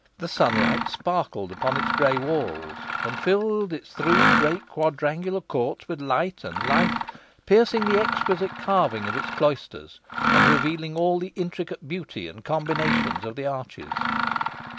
The sunlight sparkled upon its grey walls, and filled its three great quadrangular courts with light and life, piercing the exquisite carving of its cloisters, and revealing all the intricate beauty and combinations of the arches.